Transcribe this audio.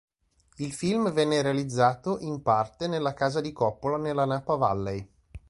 Il film venne realizzato, in parte, nella casa di Coppola nella Napa Valley.